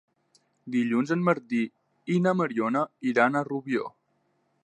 Dilluns en Martí i na Mariona iran a Rubió.